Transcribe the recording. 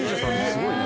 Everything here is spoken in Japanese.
すごいね。